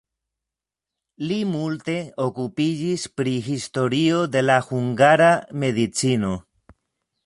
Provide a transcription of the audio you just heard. Li multe okupiĝis pri historio de la hungara medicino.